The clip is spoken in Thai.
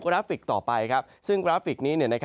ราฟิกต่อไปซึ่งกราฟิกนี้